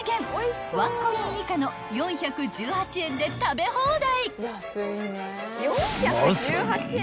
［ワンコイン以下の４１８円で食べ放題］